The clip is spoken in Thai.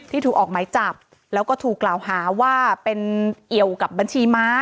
ถูกออกหมายจับแล้วก็ถูกกล่าวหาว่าเป็นเอี่ยวกับบัญชีม้า